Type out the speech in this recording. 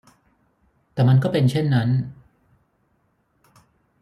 แต่มันก็เป็นเช่นนั้น